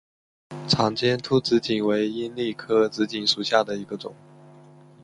长尖突紫堇为罂粟科紫堇属下的一个种。